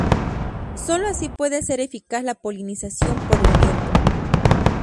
Sólo así puede ser eficaz la polinización por el viento.